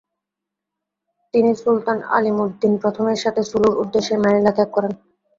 তিনি সুলতান আলিমুদ্দিন প্রথমের সাথে সুলুর উদ্দেশ্যে ম্যানিলা ত্যাগ করেন।